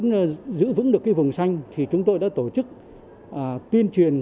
để giữ vững vùng xanh chúng tôi đã tổ chức tuyên truyền